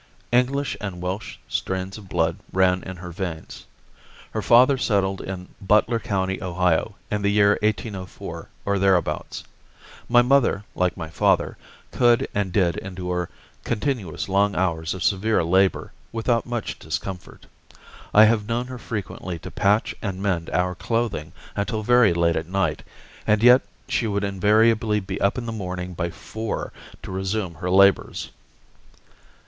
English and Welsh strains of blood ran in her veins. Her father settled in Butler County, Ohio, in the year 1804, or thereabouts. My mother, like my father, could and did endure continuous long hours of severe labor without much discomfort. I have known her frequently to patch and mend our clothing until very late at night, and yet she would invariably be up in the morning by four to resume her labors.